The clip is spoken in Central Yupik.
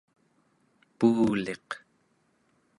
puuliq